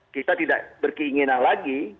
kita tidak berkeinginan lagi